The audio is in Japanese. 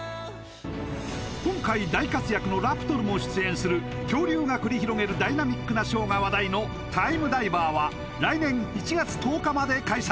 今回大活躍のラプトルも出演する恐竜が繰り広げるダイナミックなショーが話題の「ＴＩＭＥＤＩＶＥＲ」は来年１月１０日まで開催